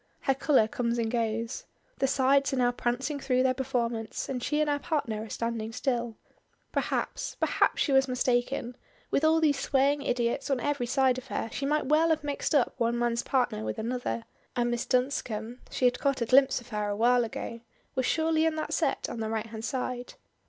Her color comes and goes. The sides are now prancing through their performance, and she and her partner are standing still. Perhaps perhaps she was mistaken; with all these swaying idiots on every side of her she might well have mixed up one man's partner with another; and Miss Dunscombe (she had caught a glimpse of her awhile ago) was surely in that set on the right hand side.